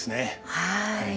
はい。